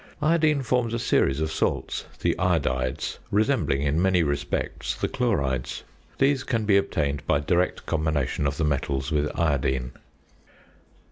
Iodine forms a series of salts the iodides resembling in many respects the chlorides. These can be obtained by direct combination of the metals with iodine.